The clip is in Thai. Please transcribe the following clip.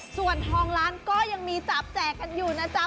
ส่วนทองล้านก็ยังมีจับแจกกันอยู่นะจ๊ะ